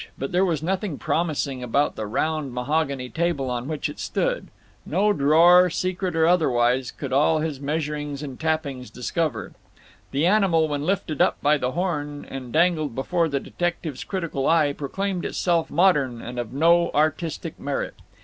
But there was nothing promising about the round mahogany table on which it stood: no drawer, secret or otherwise could all his measurings and tappings discover; the animal, when lifted up by the horn and dangled before the detective's critical eye, proclaimed itself modern and of no artistic merit.